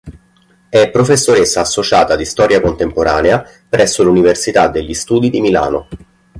È professoressa associata di Storia contemporanea presso l'Università degli Studi di Milano.